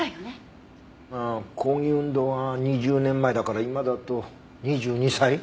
ああ抗議運動が２０年前だから今だと２２歳？